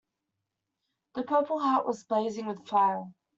The purple heart was blazing with fire.